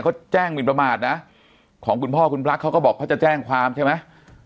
เขาแจ้งหมินประมาทนะของคุณพ่อคุณปลั๊กเขาก็บอกเขาจะแจ้งความใช่ไหม